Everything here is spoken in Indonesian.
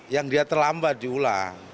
yang dia terlambat diulang